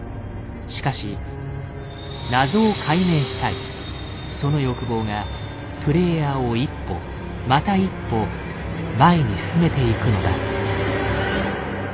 しかしその欲望がプレイヤーを一歩また一歩前に進めていくのだ。